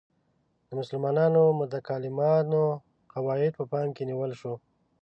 د مسلمانو متکلمانو قواعد په پام کې نیول شو.